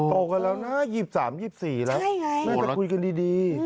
โตกันแล้วนะ๒๓๒๔แล้วน่าจะคุยกันดี